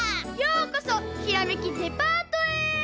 ようこそひらめきデパートへ。